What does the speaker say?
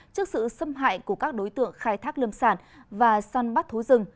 trước sự xâm hại của các đối tượng khai thác lâm sản và săn bắt thú rừng